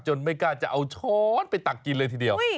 ไม่กล้าจะเอาช้อนไปตักกินเลยทีเดียว